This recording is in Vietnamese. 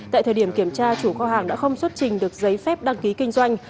tại thời điểm kiểm tra chủ kho hàng đã không xuất trình được giấy phép đăng ký kinh doanh